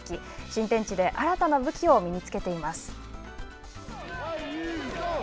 新天地で新たな武器を身につけています。